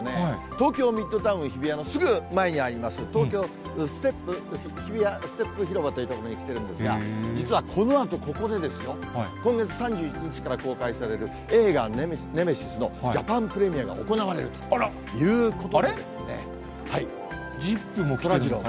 東京ミッドタウン日比谷のすぐ前にあります、東京・日比谷ステップ広場に来ているんですが、実はこのあと、ここでですよ、今月３１日から公開される映画、ネメシスのジャパンプレミアが行われるということでですね。